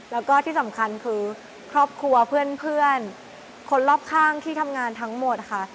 แล้วก็ที่สำคัญคือครอบครัวเพื่อนคนรอบข้างที่ทำงานทั้งหมดค่ะ